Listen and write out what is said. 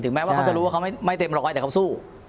แม้ว่าเขาจะรู้ว่าเขาไม่เต็มร้อยแต่เขาสู้